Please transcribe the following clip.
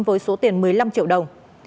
với số tiền một mươi năm triệu đồng